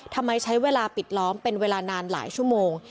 ทำไมใช้เวลาปิดล้อมเป็นเวลานานหลายชั่วโมง